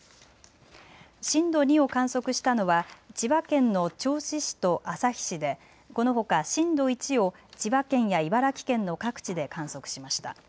震度２を観測したのは千葉県の銚子市と旭市でこのほか震度１を千葉県や茨城県の各地で観測しました。